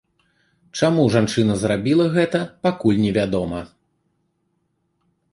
Чаму жанчына зрабіла гэта, пакуль невядома.